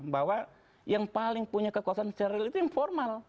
bahwa yang paling punya kekuasaan secara real itu informal